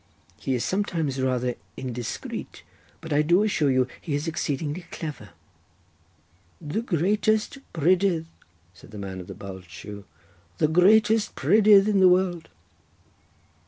He is sometimes rather indiscreet, but I do assure you he is exceedingly clever." "The greatest prydydd," said the man of the bulged shoe, "the greatest prydydd in the world."